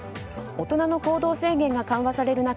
大人の行動制限が緩和される中